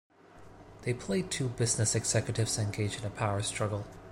They played two business executives engaged in a power struggle.